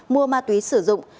mua ma túy sử dụng